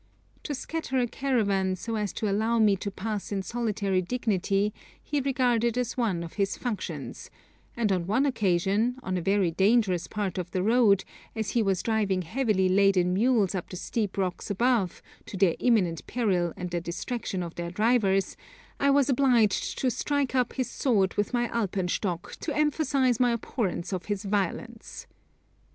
To scatter a caravan so as to allow me to pass in solitary dignity he regarded as one of his functions, and on one occasion, on a very dangerous part of the road, as he was driving heavily laden mules up the steep rocks above, to their imminent peril and the distraction of their drivers, I was obliged to strike up his sword with my alpenstock to emphasise my abhorrence of his violence.